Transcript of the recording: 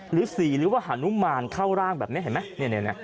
หรือสีหรือว่าหานุมานเข้าร่างแบบนี้เห็นไหม